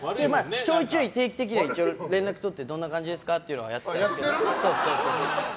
ちょいちょい定期的には連絡とってどんな感じですかっていうのはやっていたんですけど。